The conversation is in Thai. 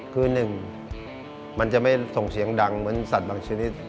คือหนึ่งมันจะไม่ส่งเสียงดังเหมือนสัตว์บางชนิด